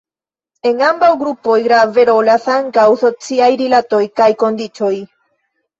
En ambaŭ verkoj grave rolas ankaŭ sociaj rilatoj kaj kondiĉoj.